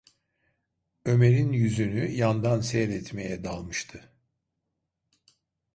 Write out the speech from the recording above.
Ömer’in yüzünü yandan seyretmeye dalmıştı.